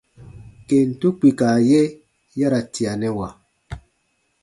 Kentu kpika ye ya ra tianɛwa.